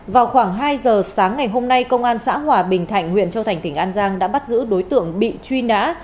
vào khoảng hai giờ sáng ngày hôm nay công an xã hòa bình thạnh huyện châu thành tỉnh an giang đã bắt giữ đối tượng bị truy nã